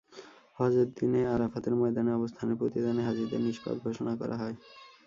হজের দিনে আরাফাতের ময়দানে অবস্থানের প্রতিদানে হাজিদের নিষ্পাপ ঘোষণা করা হয়।